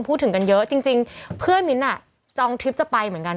พูดถึงกันเยอะจริงเพื่อนมิ้นท์จองทริปจะไปเหมือนกัน